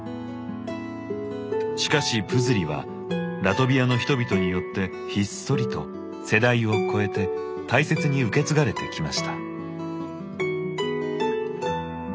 しかしプズリはラトビアの人々によってひっそりと世代を超えて大切に受け継がれてきました。